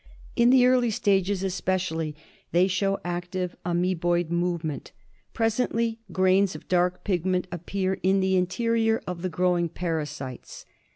In the early stages espe cially they show active amteboid movement. Presently grains of dark pigment appear ^^^^^^^^^^ in the interior of the growing ^^^^^^^^^^^^^k parasites.